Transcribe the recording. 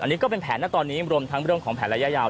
อันนี้ก็เป็นแผนนะตอนนี้รวมทั้งเรื่องของแผนระยะยาว